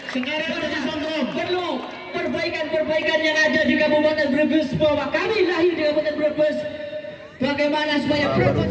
sekarang saya perlu perbaikan perbaikan yang ada di kabupaten brebes